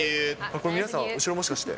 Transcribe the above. これ、皆さん、後ろ、もしかして。